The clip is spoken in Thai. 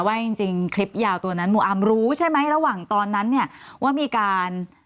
ว่าจริงจริงคลิปยาวตัวนั้นหมู่อาร์มรู้ใช่ไหมระหว่างตอนนั้นเนี่ยว่ามีการ